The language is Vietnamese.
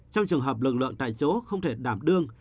trong trường hợp lực lượng tại chỗ không thể đảm đương